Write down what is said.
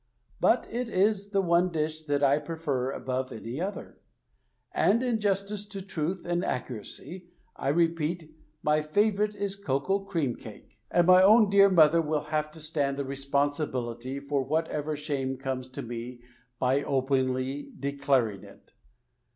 But it is the one dish that I prefer above any other, and in justice to truth and accuracy, I repeat — my favorite is cocoa cream cake! And my ow^n dear mother wrill have to stand the responsibility for whatever shame comes to me by openly declaring it.